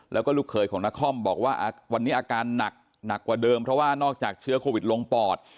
แล้วก็ลูกเคยของนครบอกว่าวันนี้อาการหนักหนักกว่าเดิมเพราะว่านอกจากเชื้อโควิดลงปอด